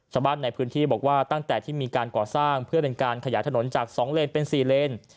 ชาวบ้านในพื้นที่บอกว่าตั้งแต่ที่มีการก่อสร้างเพื่อเป็นการขยายถนนจาก๒เลนเป็น๔เลน